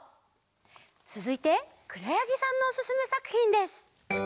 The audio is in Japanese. つづいてくろやぎさんのおすすめさくひんです。